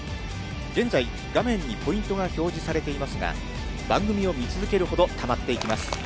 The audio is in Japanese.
現在、画面にポイントが表示されていますが、番組を見続けるほど、たまっていきます。